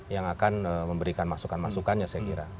yang akan memberikan masukan masukannya saya kira